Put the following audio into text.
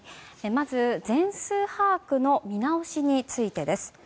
まず、全数把握の見直しについてです。